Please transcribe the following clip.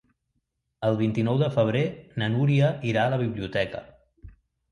El vint-i-nou de febrer na Núria irà a la biblioteca.